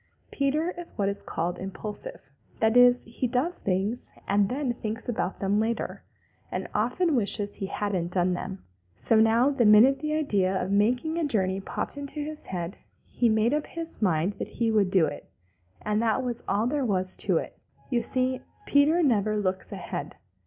Peter is what is called impulsive. That is, he does things and then thinks about them later, and often wishes he hadn't done them. So now the minute the idea of making a journey popped into his head, he made up his mind that he would do it, and that was all there was to it. You see, Peter never looks ahead.